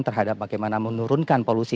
terhadap bagaimana menurunkan polusi